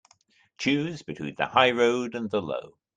Choose between the high road and the low.